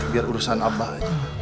biar urusan abah aja